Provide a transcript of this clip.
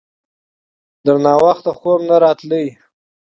ترې ناوخته پورې خوب نه راتلو.